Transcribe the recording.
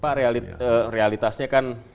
pak realitasnya kan